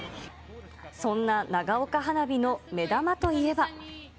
そんな長岡花火の目玉といえば。